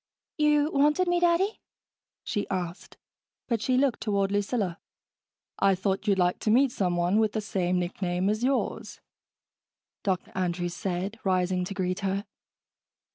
"You wanted me, Daddy?" she asked, but she looked toward Lucilla. "I thought you'd like to meet someone with the same nickname as yours," Dr. Andrews said, rising to greet her.